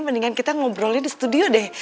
mendingan kita ngobrolin di studio deh